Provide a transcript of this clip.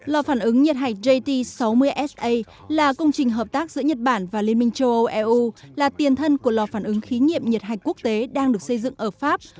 lò phản ứng nhiệt hạch jt sáu mươi sa là công trình hợp tác giữa nhật bản và liên minh châu âu eu là tiền thân của lò phản ứng khí nhiệm nhiệt hạch quốc tế đang được xây dựng ở pháp